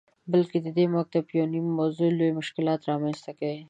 بلکه ددې کتاب یونیم موضوعات لوی مشکلات رامنځته کوي.